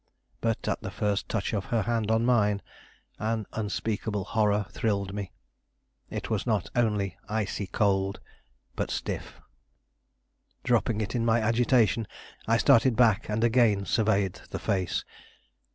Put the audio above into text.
But at the first touch of her hand on mine an unspeakable horror thrilled me. It was not only icy cold, but stiff. Dropping it in my agitation, I started back and again surveyed the face.